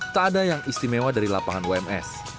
tak ada yang istimewa dari lapangan ums